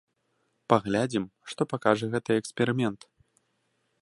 Паглядзім, што пакажа гэты эксперымент.